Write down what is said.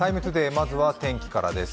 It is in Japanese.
まずは天気からです。